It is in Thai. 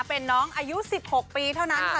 เป็นน้องอายุ๑๖ปีเท่านั้นค่ะ